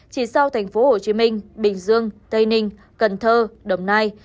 chỉ sau thành phố hồ chí minh bình dương tây ninh cần thơ đồng nai